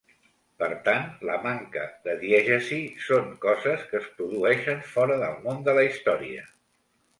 Per tant, la manca de diegesi són coses que es produeixen fora del món de la història.